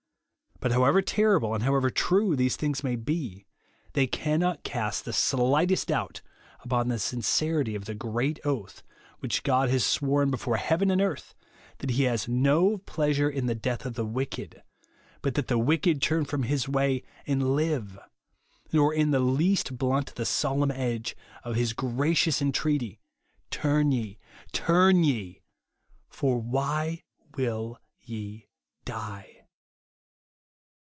But however terrible and however true these things may 200 JESUS ONLY. be, they cannot cast the slightest doubt upon the sincerity of the great oath which God has sworn before heaven and earth, that he has " no pleasure in the death of the wicked ; but that the wicked turn from his way and live ;" nor in the least blunt the solemn edge of his gracious entreaty, "Turn ye, turn ye, for why will tb DIB?"